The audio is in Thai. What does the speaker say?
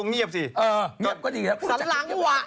อ่ะเงี๊ยบก็มา